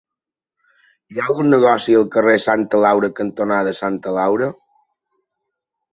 Hi ha algun negoci al carrer Santa Laura cantonada Santa Laura?